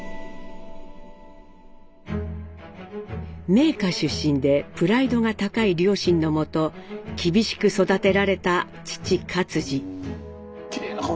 名家出身でプライドが高い両親のもと厳しく育てられた父克爾。